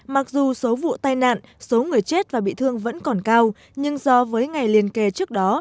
mặc dù số vụ tai nạn số người chết và bị thương vẫn còn cao nhưng so với ngày liên kề trước đó